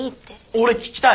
俺聞きたい。